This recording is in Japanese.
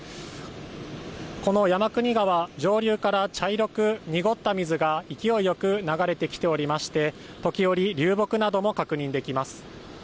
この山国川上流から茶色く濁った水が勢いよく流れてきておりまして、時折、流木なども確認できます。